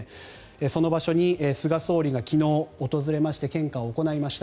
その場所に菅総理が昨日、訪れまして献花を行いました。